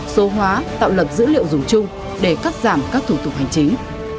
số hóa tạo lập dữ liệu dùng chung để cắt giảm các thủ tục hành chính